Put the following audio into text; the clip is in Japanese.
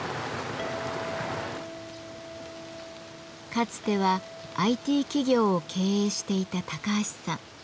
かつてはＩＴ企業を経営していた高橋さん。